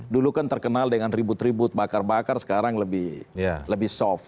dulu kan terkenal dengan ribut ribut bakar bakar sekarang lebih soft